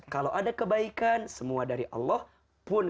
kalau ada kebaikan semua dari allah pun